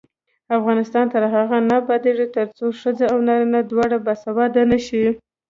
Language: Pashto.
افغانستان تر هغو نه ابادیږي، ترڅو ښځینه او نارینه دواړه باسواده نشي.